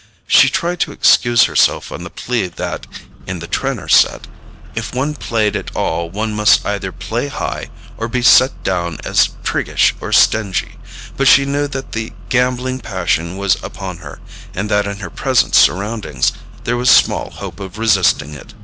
She tried to excuse herself on the plea that, in the Trenor set, if one played at all one must either play high or be set down as priggish or stingy; but she knew that the gambling passion was upon her, and that in her present surroundings there was small hope of resisting it.